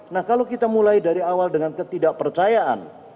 nah kalau kita mulai dari awal dengan ketidakpercayaan